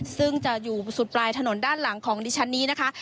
ซึ่งจะอยู่สุดปลายถนนด้านหลังของดิฉันนี้นะคะ